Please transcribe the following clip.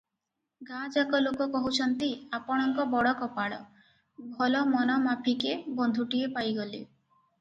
ଗାଁଯାକ ଲୋକ କହୁଛନ୍ତି, ଆପଣଙ୍କର ବଡ଼ କପାଳ, ଭଲ ମନମାଫିକେ ବନ୍ଧୁଟିଏ ପାଇଗଲେ ।